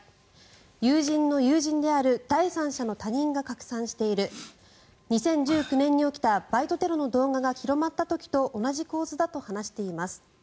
友人の友人である第三者の他人が拡散している２０１９年に起きたバイトテロの動画が広まった時と同じ構図だと話しています。